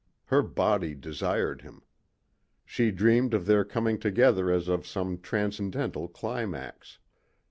Her body desired him. She dreamed of their coming together as of some transcendental climax.